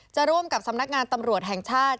ร่วมกับสำนักงานตำรวจแห่งชาติ